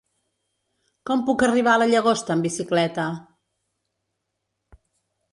Com puc arribar a la Llagosta amb bicicleta?